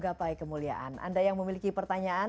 bapak dan ibu yang dikirimkan